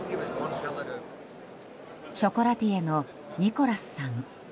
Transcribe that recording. ショコラティエのニコラスさん。